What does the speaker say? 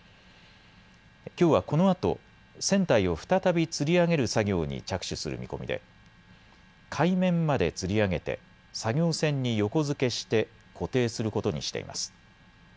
きょうはこのあと船体を再びつり上げる作業に着手する見込みで海面までつり上げて作業船に横付けして固定することにしています。